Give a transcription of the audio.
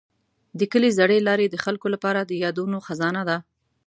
د کلي زړې لارې د خلکو لپاره د یادونو خزانه ده.